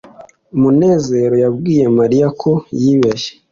munezero yabwiye mariya ko yibeshye